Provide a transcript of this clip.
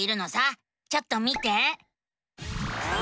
ちょっと見て！